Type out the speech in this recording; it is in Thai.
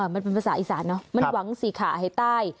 มันเป็นภาษาอีสานเนอะมันหวังสี่ขาหายใต้